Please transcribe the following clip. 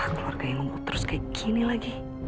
keluarga yang kok terus kayak gini lagi